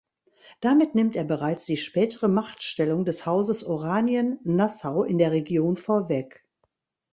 Damit nimmt er bereits die spätere Machtstellung des Hauses Oranien-Nassau in der Region vorweg.